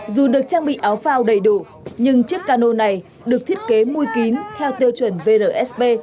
dù được trang bị áo phao đầy đủ nhưng chiếc cano này được thiết kế môi kín theo tiêu chuẩn vrsb